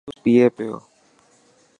او جوس پئي پيو.